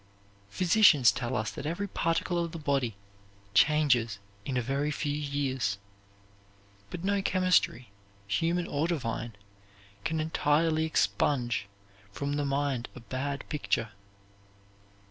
Physicians tell us that every particle of the body changes in a very few years; but no chemistry, human or divine, can entirely expunge from the mind a bad picture.